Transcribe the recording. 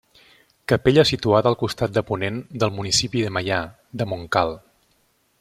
Capella situada al costat de ponent del municipi de Maià de Montcal.